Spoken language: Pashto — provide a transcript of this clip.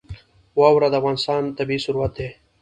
واوره د افغانستان طبعي ثروت دی.